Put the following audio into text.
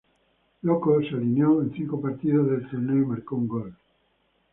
Loko se alineó en cinco partidos del torneo y marcó un gol.